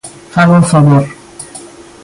Faga o favor.